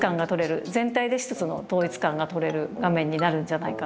全体で一つの統一感がとれる画面になるんじゃないかなと思っています。